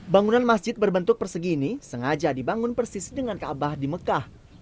bangunan masjid berbentuk persegi ini sengaja dibangun persis dengan kaabah di mekah